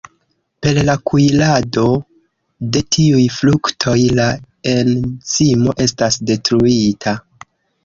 Per la kuirado de tiuj fruktoj la enzimo estas detruita.